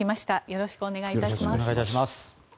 よろしくお願いします。